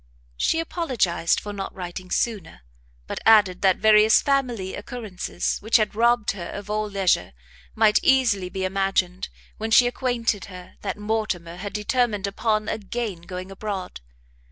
She apologised for not writing sooner, but added that various family occurrences, which had robbed her of all leisure, might easily be imagined, when she acquainted her that Mortimer had determined upon again going abroad....